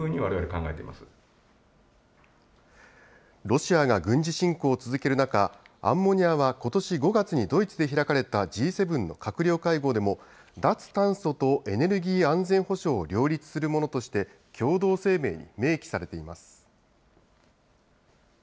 ロシアが軍事侵攻を続ける中、アンモニアはことし５月にドイツ開かれたＧ７の閣僚会合でも、脱炭素とエネルギー安全保障を両立するものとして、共同声明に明記されています。